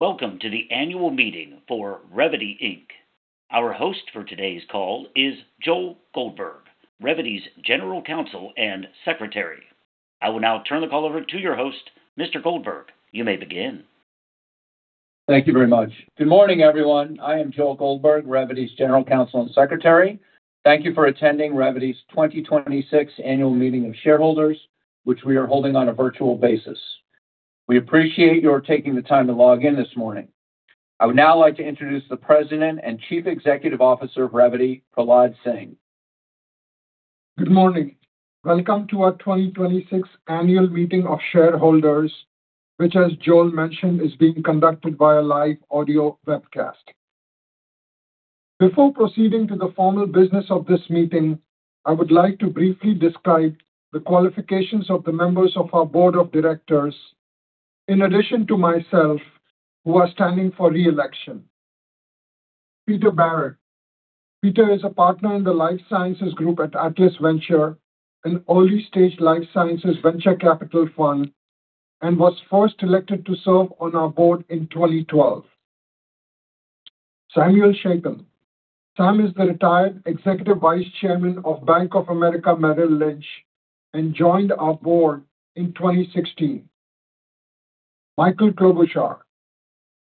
Welcome to the annual meeting for Revvity Inc. Our host for today's call is Joel Goldberg, Revvity's General Counsel and Secretary. I will now turn the call over to your host. Mr. Goldberg, you may begin. Thank you very much. Good morning, everyone. I am Joel Goldberg, Revvity's General Counsel and Secretary. Thank you for attending Revvity's 2026 Annual Meeting of Shareholders, which we are holding on a virtual basis. We appreciate your taking the time to log in this morning. I would now like to introduce the President and Chief Executive Officer of Revvity, Prahlad Singh. Good morning. Welcome to our 2026 annual meeting of shareholders, which as Joel mentioned, is being conducted by a live audio webcast. Before proceeding to the formal business of this meeting, I would like to briefly describe the qualifications of the members of our Board of Directors in addition to myself, who are standing for reelection. Peter Barrett. Peter is a partner in the life sciences group at Atlas Venture, an early-stage life sciences venture capital fund, and was first elected to serve on our board in 2012. Samuel Chapin. Sam is the retired Executive Vice Chairman of Bank of America Merrill Lynch and joined our board in 2016. Michael Klobuchar.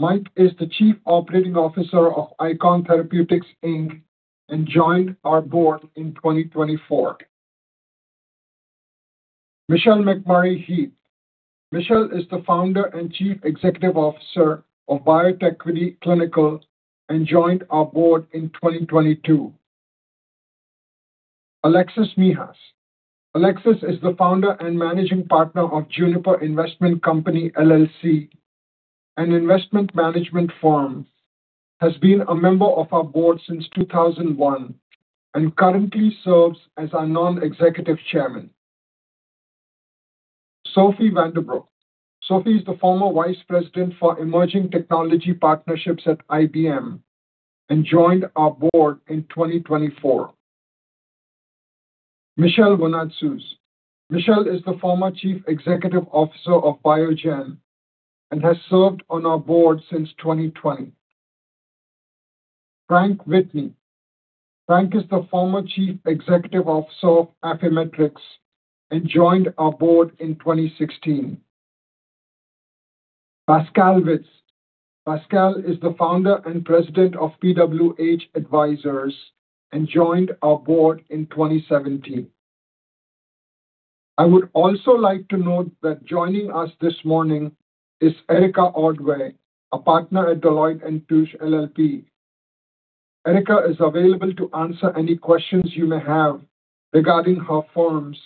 Mike is the Chief Operating Officer of Eikon Therapeutics Inc. and joined our board in 2024. Michelle McMurry-Heath. Michelle is the Founder and Chief Executive Officer of BioTechquity Clinical and joined our board in 2022. Alexis Michas. Alexis is the founder and Managing Partner of Juniper Investment Company, LLC, an investment management firm, has been a member of our board since 2001, and currently serves as our Non-Executive Chairman. Sophie Vandebroek. Sophie is the former Vice President for Emerging Technology Partnerships at IBM and joined our board in 2024. Michel Vounatsos. Michel is the former Chief Executive Officer of Biogen and has served on our board since 2020. Frank Witney. Frank is the former Chief Executive Officer of Affymetrix and joined our board in 2016. Pascale Witz. Pascale is the Founder and President of PWH Advisors and joined our board in 2017. I would also like to note that joining us this morning is Erika Ordway, a partner at Deloitte & Touche LLP. Erika is available to answer any questions you may have regarding her firm's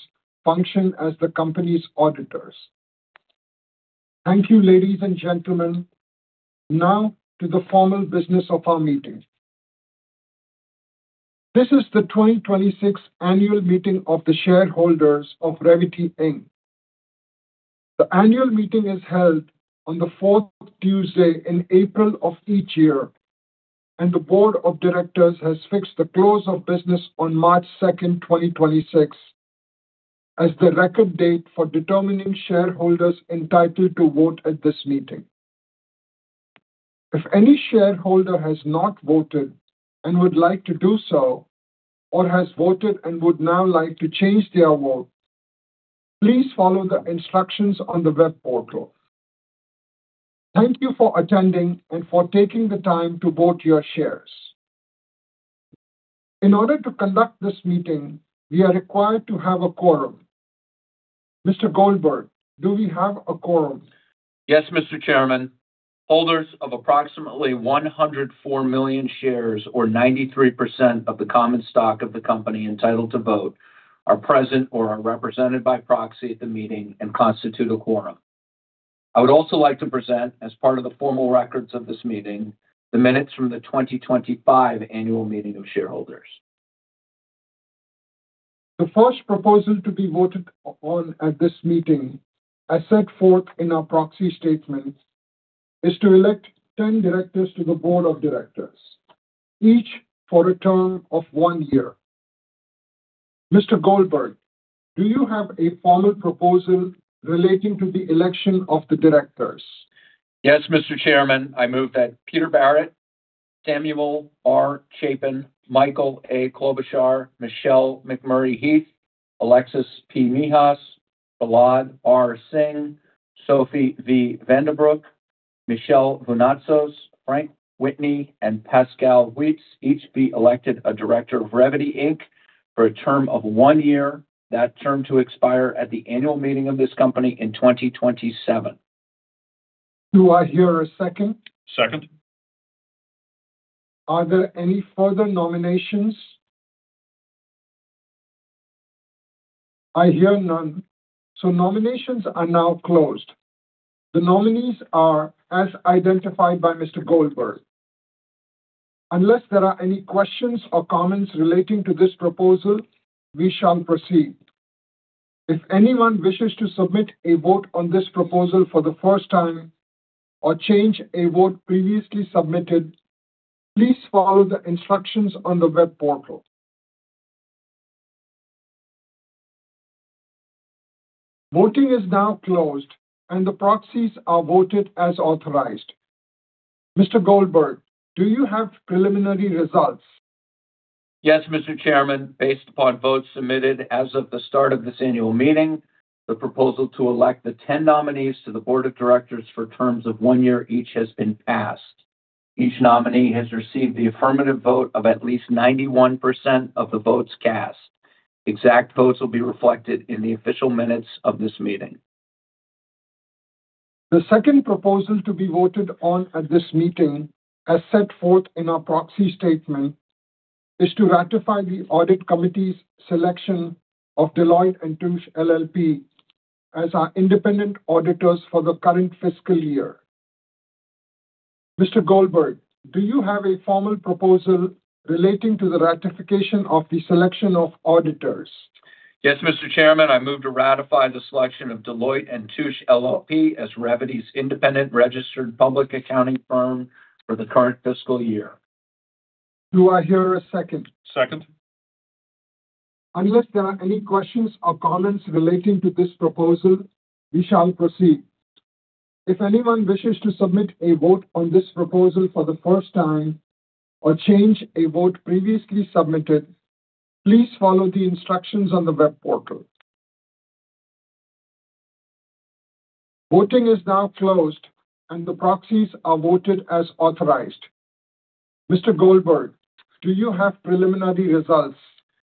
function as the company's auditors. Thank you, ladies and gentlemen. Now to the formal business of our meeting. This is the 2026 annual meeting of the shareholders of Revvity, Inc. The annual meeting is held on the 4th Tuesday in April of each year, and the Board of Directors has fixed the close of business on March 2nd, 2026, as the record date for determining shareholders entitled to vote at this meeting. If any shareholder has not voted and would like to do so or has voted and would now like to change their vote, please follow the instructions on the web portal. Thank you for attending and for taking the time to vote your shares. In order to conduct this meeting, we are required to have a quorum. Mr. Goldberg, do we have a quorum? Yes, Mr. Chairman. Holders of approximately 104 million shares or 93% of the common stock of the company entitled to vote are present or are represented by proxy at the meeting and constitute a quorum. I would also like to present, as part of the formal records of this meeting, the minutes from the 2025 annual meeting of shareholders. The first proposal to be voted on at this meeting, as set forth in our proxy statement, is to elect 10 directors to the Board of Directors, each for a term of one year. Mr. Goldberg, do you have a formal proposal relating to the election of the directors? Yes, Mr. Chairman. I move that Peter Barrett, Samuel R. Chapin, Michael A. Klobuchar, Michelle McMurry-Heath, Alexis P. Michas, Prahlad R. Singh, Sophie V. Vandebroek, Michel Vounatsos, Frank Witney, and Pascale Witz, each be elected a director of Revvity, Inc. for a term of one year, that term to expire at the annual meeting of this company in 2027. Do I hear a second? Second. Are there any further nominations? I hear none. Nominations are now closed. The nominees are as identified by Mr. Goldberg. Unless there are any questions or comments relating to this proposal, we shall proceed. If anyone wishes to submit a vote on this proposal for the first time or change a vote previously submitted, please follow the instructions on the web portal. Voting is now closed, and the proxies are voted as authorized. Mr. Goldberg, do you have preliminary results? Yes, Mr. Chairman. Based upon votes submitted as of the start of this annual meeting, the proposal to elect the 10 nominees to the Board of Directors for terms of one year each has been passed. Each nominee has received the affirmative vote of at least 91% of the votes cast. Exact votes will be reflected in the official minutes of this meeting. The second proposal to be voted on at this meeting, as set forth in our proxy statement, is to ratify the Audit Committee's selection of Deloitte & Touche LLP as our independent auditors for the current fiscal year. Mr. Goldberg, do you have a formal proposal relating to the ratification of the selection of auditors? Yes, Mr. Chairman. I move to ratify the selection of Deloitte & Touche LLP as Revvity's independent registered public accounting firm for the current fiscal year. Do I hear a second? Second. Unless there are any questions or comments relating to this proposal, we shall proceed. If anyone wishes to submit a vote on this proposal for the first time or change a vote previously submitted, please follow the instructions on the web portal. Voting is now closed, and the proxies are voted as authorized. Mr. Goldberg, do you have preliminary results?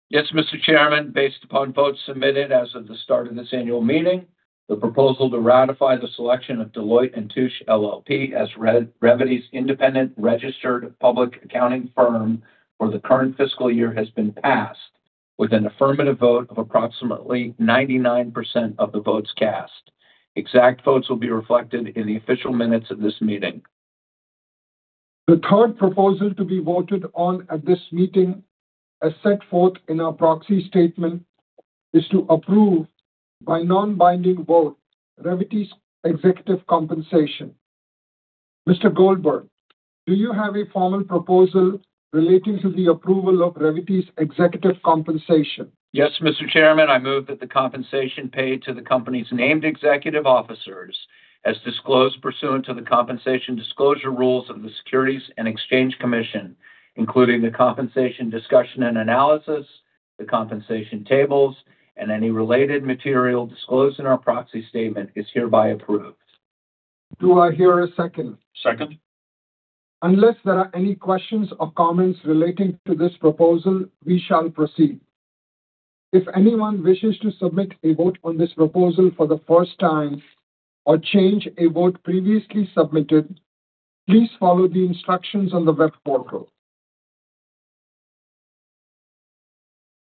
Yes, Mr. Chairman. Based upon votes submitted as of the start of this annual meeting, the proposal to ratify the selection of Deloitte & Touche LLP as Revvity's independent registered public accounting firm for the current fiscal year has been passed with an affirmative vote of approximately 99% of the votes cast. Exact votes will be reflected in the official minutes of this meeting. The third proposal to be voted on at this meeting, as set forth in our proxy statement, is to approve by non-binding vote Revvity's executive compensation. Mr. Goldberg, do you have a formal proposal relating to the approval of Revvity's executive compensation? Yes, Mr. Chairman. I move that the compensation paid to the company's named executive officers, as disclosed pursuant to the compensation disclosure rules of the Securities and Exchange Commission, including the compensation discussion and analysis, the compensation tables, and any related material disclosed in our proxy statement, is hereby approved. Do I hear a second? Second. Unless there are any questions or comments relating to this proposal, we shall proceed. If anyone wishes to submit a vote on this proposal for the first time or change a vote previously submitted, please follow the instructions on the web portal.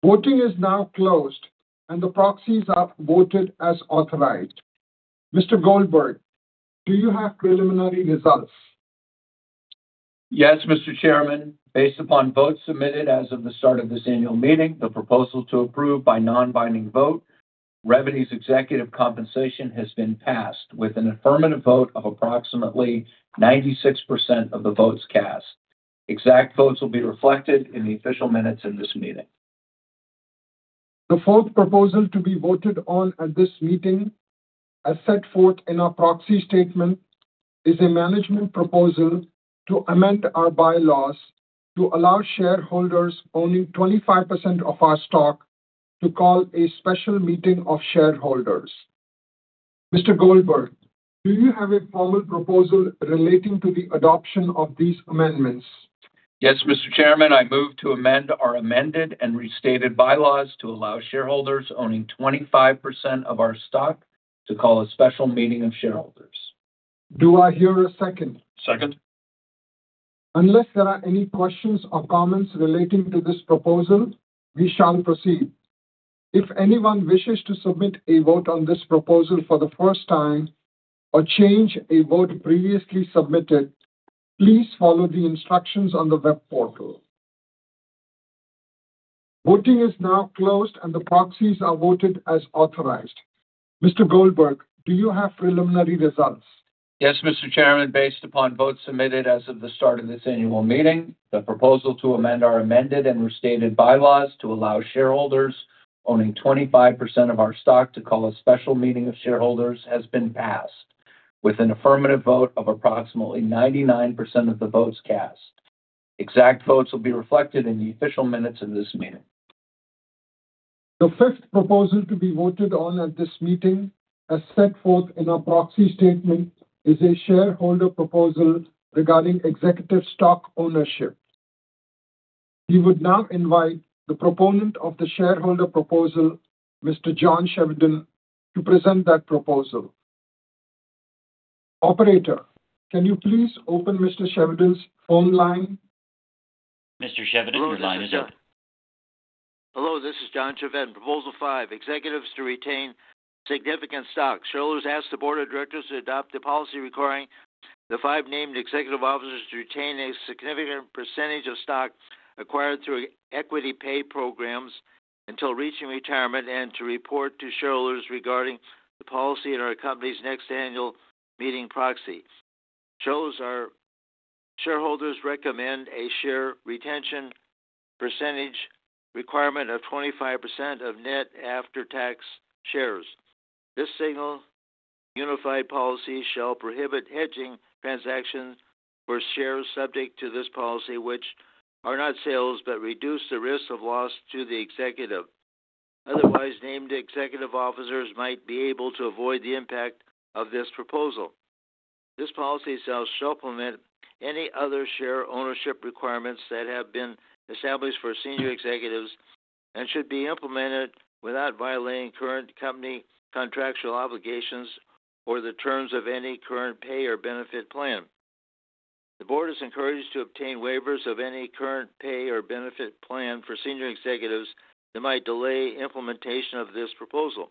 Voting is now closed, and the proxies are voted as authorized. Mr. Goldberg, do you have preliminary results? Yes, Mr. Chairman. Based upon votes submitted as of the start of this annual meeting, the proposal to approve by non-binding vote Revvity's executive compensation has been passed with an affirmative vote of approximately 96% of the votes cast. Exact votes will be reflected in the official minutes in this meeting. The fourth proposal to be voted on at this meeting, as set forth in our proxy statement, is a management proposal to amend our bylaws to allow shareholders owning 25% of our stock to call a special meeting of shareholders. Mr. Goldberg, do you have a formal proposal relating to the adoption of these amendments? Yes, Mr. Chairman. I move to amend our amended and restated bylaws to allow shareholders owning 25% of our stock to call a special meeting of shareholders. Do I hear a second? Second. Unless there are any questions or comments relating to this proposal, we shall proceed. If anyone wishes to submit a vote on this proposal for the first time or change a vote previously submitted, please follow the instructions on the web portal. Voting is now closed, and the proxies are voted as authorized. Mr. Goldberg, do you have preliminary results? Yes, Mr. Chairman. Based upon votes submitted as of the start of this annual meeting, the proposal to amend our amended and restated bylaws to allow shareholders owning 25% of our stock to call a special meeting of shareholders has been passed with an affirmative vote of approximately 99% of the votes cast. Exact votes will be reflected in the official minutes of this meeting. The fifth proposal to be voted on at this meeting, as set forth in our proxy statement, is a shareholder proposal regarding executive stock ownership. We would now invite the proponent of the shareholder proposal, Mr. John Chevedden, to present that proposal. Operator, can you please open Mr. Chevedden's phone line? Mr. Chevedden, your line is open. Hello, this is John Chevedden. Proposal five, executives to retain significant stock. Shareholders ask the Board of Directors to adopt a policy requiring the five named executive officers to retain a significant percentage of stock acquired through equity pay programs until reaching retirement and to report to shareholders regarding the policy at our company's next annual meeting proxy. Shareholders recommend a share retention percentage requirement of 25% of net after-tax shares. This single unified policy shall prohibit hedging transactions for shares subject to this policy, which are not sales, but reduce the risk of loss to the executive. Otherwise, named executive officers might be able to avoid the impact of this proposal. This policy shall supplement any other share ownership requirements that have been established for senior executives and should be implemented without violating current company contractual obligations or the terms of any current pay or benefit plan. The board is encouraged to obtain waivers of any current pay or benefit plan for senior executives that might delay implementation of this proposal.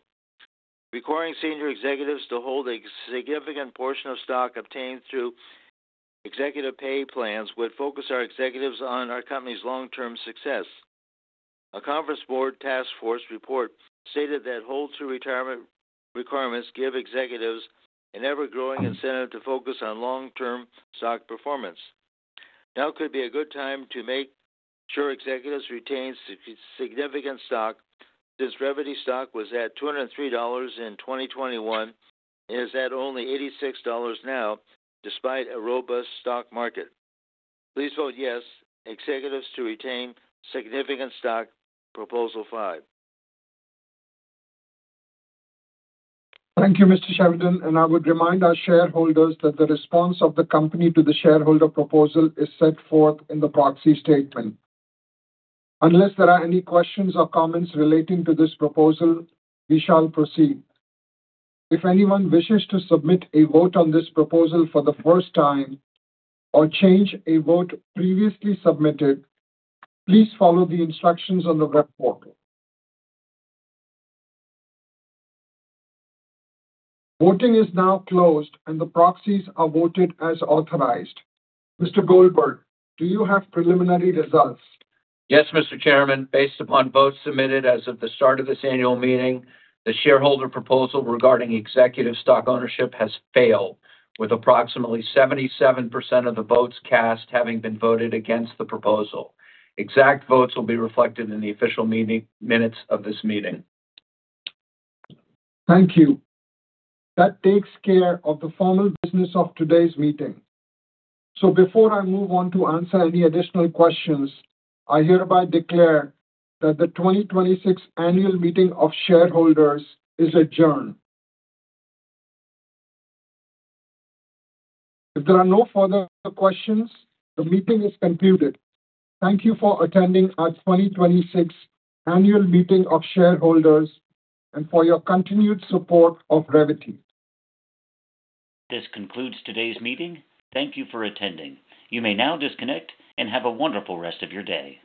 Requiring senior executives to hold a significant portion of stock obtained through executive pay plans would focus our executives on our company's long-term success. A conference board task force report stated that hold to retirement requirements give executives an ever-growing incentive to focus on long-term stock performance. Now could be a good time to make sure executives retain significant stock, since Revvity stock was at $203 in 2021 and is at only $86 now despite a robust stock market. Please vote yes, executives to retain significant stock, proposal five. Thank you, Mr. Chevedden. I would remind our shareholders that the response of the company to the shareholder proposal is set forth in the proxy statement. Unless there are any questions or comments relating to this proposal, we shall proceed. If anyone wishes to submit a vote on this proposal for the first time or change a vote previously submitted, please follow the instructions on the web portal. Voting is now closed, the proxies are voted as authorized. Mr. Goldberg, do you have preliminary results? Yes, Mr. Chairman. Based upon votes submitted as of the start of this annual meeting, the shareholder proposal regarding executive stock ownership has failed, with approximately 77% of the votes cast having been voted against the proposal. Exact votes will be reflected in the official meeting minutes of this meeting. Thank you. That takes care of the formal business of today's meeting. Before I move on to answer any additional questions, I hereby declare that the 2026 annual meeting of shareholders is adjourned. If there are no further questions, the meeting is concluded. Thank you for attending our 2026 annual meeting of shareholders and for your continued support of Revvity. This concludes today's meeting. Thank you for attending. You may now disconnect and have a wonderful rest of your day.